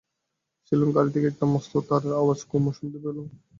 সেলুন-গাড়ি থেকে একটা মস্ত তাড়ার আওয়াজ কুমু শুনতে পেলে।